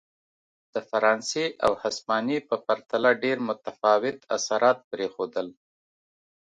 د فرانسې او هسپانیې په پرتله ډېر متفاوت اثرات پرېښودل.